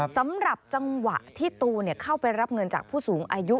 สำหรับจังหวะที่ตูนเข้าไปรับเงินจากผู้สูงอายุ